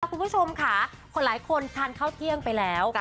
คุณผู้ชมค่ะคนหลายคนทานข้าวเที่ยงไปแล้ว